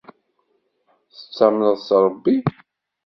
Tettamneḍ s Rebbi?